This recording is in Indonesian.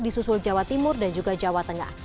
di susul jawa timur dan juga jawa tengah